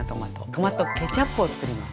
トマトケチャップをつくります。